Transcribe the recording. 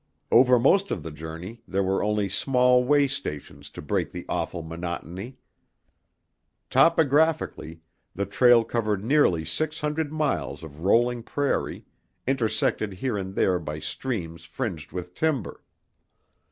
Over most of the journey there were only small way stations to break the awful monotony. Topographically, the trail covered nearly six hundred miles of rolling prairie, intersected here and there by streams fringed with timber.